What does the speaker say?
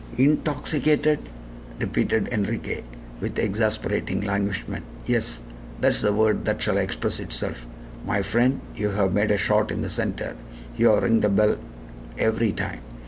"Intoxicated?" repeated Enriquez, with exasperating languishment. "Yes; that is the word that shall express itself. My friend, you have made a shot in the center you have ring the bell every time!